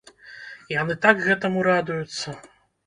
І яны так гэтаму радуюцца!